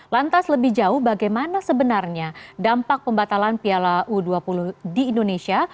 lantas lebih jauh bagaimana sebenarnya dampak pembatalan piala u dua puluh di indonesia